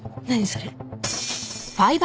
それ。